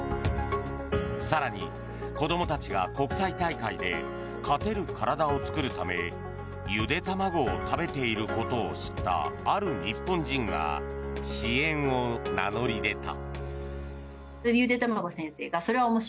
更に、子どもたちが国際大会で勝てる体を作るためゆで卵を食べていることを知ったある日本人が支援を名乗り出た。